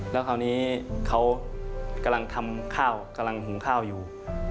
แล้วคราวนี้เขากำลังทำข้าวกำลังหุงข้าวอยู่